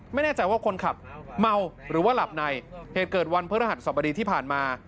ไม่แน่ใจว่าคนขับเมาหรือว่าหลับในเหตุเกิดวันพระรหัสสบดีที่ผ่านมา